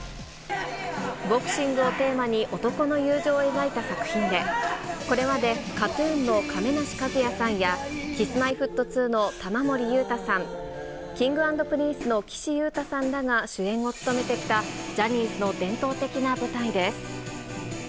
ボクシングをテーマに、男の友情を描いた作品で、これまでＫＡＴーＴＵＮの亀梨和也さんや、Ｋｉｓ−Ｍｙ−Ｆｔ２の玉森裕太さん、Ｋｉｎｇ＆Ｐｒｉｎｃｅの岸優太さんらが主演を務めてきたジャニーズの伝統的な舞台です。